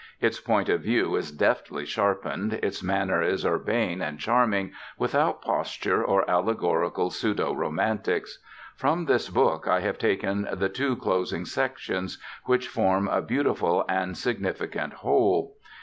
Its point of view is deftly sharpened, its manner is urbane and charming, without posture or allegorical pseudo romantics. From this book I have taken the two closing sections, which form a beautiful and significant whole.